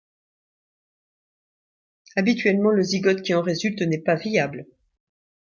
Habituellement, le zygote qui en résulte n'est pas viable.